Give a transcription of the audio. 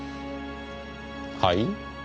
はい？